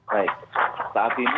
baik saat ini